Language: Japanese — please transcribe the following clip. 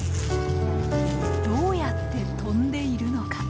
どうやって飛んでいるのか？